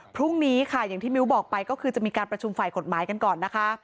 พรุ่งนี้ค่ะอย่างที่มิ้วบอกไปก็คือจะมีการประชุมฝ่ายกฎหมายกันก่อนนะคะ